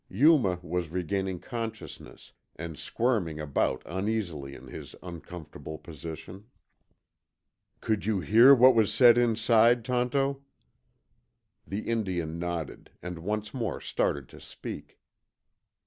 Yuma was regaining consciousness, and squirming about uneasily in his uncomfortable position. "Could you hear what was said inside, Tonto?" The Indian nodded, and once more started to speak.